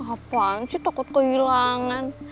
apaan sih takut kehilangan